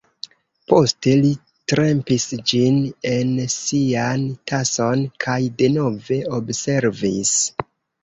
Poste li trempis ĝin en sian tason, kaj denove observis.